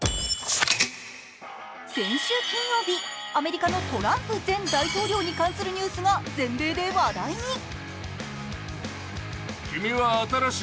先週金曜日アメリカのトランプ前大統領に関する話題が全米で話題に。